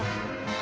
あ！